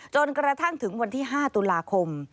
จนกระทั่งถึงวันที่๕ตุลาคม